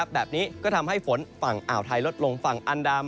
แบบนี้ก็ทำให้ฝนฝั่งอ่าวไทยลดลง